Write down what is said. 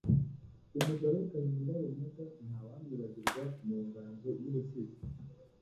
Umugabekazi Nyirarumaga ntawamwibagirwa mu nganzo y’ubusizi